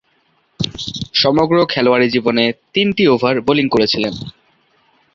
সমগ্র খেলোয়াড়ী জীবনে তিনটি ওভার বোলিং করেছিলেন।